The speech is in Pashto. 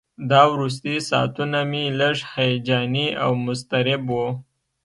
دا وروستي ساعتونه مې لږ هیجاني او مضطرب وو.